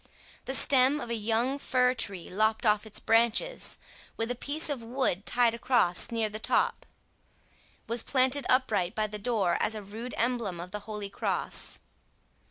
The stem of a young fir tree lopped of its branches, with a piece of wood tied across near the top, was planted upright by the door, as a rude emblem of the holy cross.